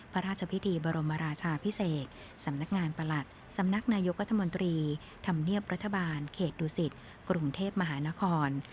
พระราชพิธีบรมราชาพิเศษสำนักงานประหลัดสำนักนายกรัฐมนตรีธรรมเนียบรัฐบาลเขตดุสิตกรุงเทพมหานคร